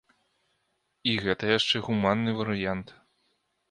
І гэта яшчэ гуманны варыянт.